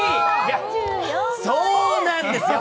そうなんですよ！